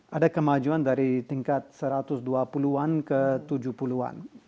ada kemajuan dari tingkat satu ratus dua puluh an ke tujuh puluh an